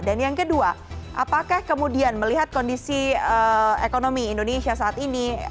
dan yang kedua apakah kemudian melihat kondisi ekonomi indonesia saat ini